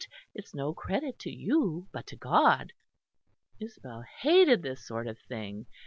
It's no credit to you, but to God." Isabel hated this sort of thing.